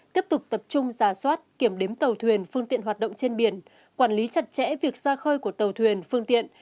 tiếp tục tập trung giả soát kiểm đếm tàu thuyền phương tiện hoạt động trên biển quản lý chặt chẽ việc xa khơi của tàu thuyền phương tiện